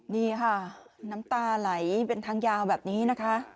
นี่ค่ะน้ำตาไหลเป็นทางยาวแบบนี้นะคะ